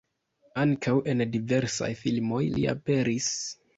Ankaŭ en diversaj filmoj li aperis.